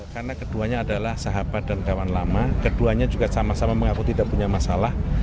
karena keduanya adalah sahabat dan kawan lama keduanya juga sama sama mengaku tidak punya masalah